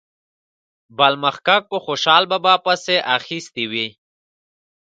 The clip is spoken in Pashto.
بل محقق په خوشال بابا پسې اخیستې وي.